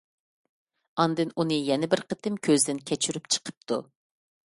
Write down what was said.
ئاندىن ئۇنى يەنە بىر قېتىم كۆزدىن كەچۈرۈپ چىقىپتۇ.